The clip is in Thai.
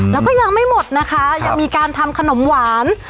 แล้วก็ยังไม่หมดนะคะยังมีการทำขนมหวาน